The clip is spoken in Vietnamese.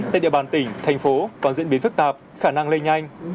tại địa bàn tỉnh thành phố có diễn biến phức tạp khả năng lây nhanh